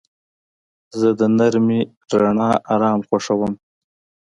زه د نرمې رڼا آرام خوښوم.